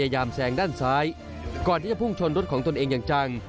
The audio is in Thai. แซงด้านซ้ายก่อนที่จะพุ่งชนรถของตนเองอย่างจัง